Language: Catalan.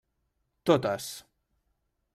Totes.